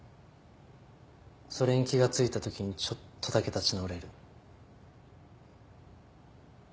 それに気が付いたときにちょっとだけ立ち直れる。